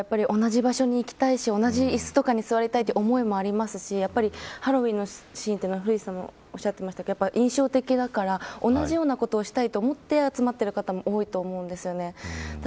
ファンの方は同じ場所に行きたいし、同じ椅子に座りたいというような思いもありますしハロウィーンのシーンというのは古市さんもおっしゃってましたが印象的だから同じようなことをしたいと集まっている方も多いと思います。